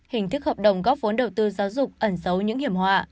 hình thức hợp đồng góp vốn đầu tư giáo dục ẩn dấu những hiểm họa